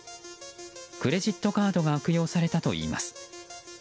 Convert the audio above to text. クレジットカードが悪用されたといいます。